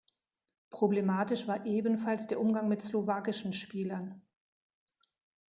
Problematisch war ebenfalls der Umgang mit slowakischen Spielern.